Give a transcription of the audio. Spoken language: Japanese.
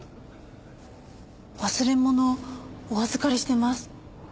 忘れ物お預かりしてます。